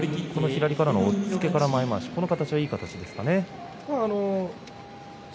左からの押っつけからの前まわしいい形でしたね。